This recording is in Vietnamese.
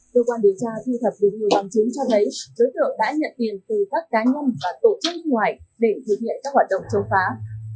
cơ quan điều tra thu thập được nhiều bằng chứng cho thấy đối tượng đã nhận tiền từ các cá nhân và tổ chức nước ngoài để thực hiện các hoạt động chống phá